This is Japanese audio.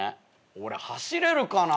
俺走れるかな。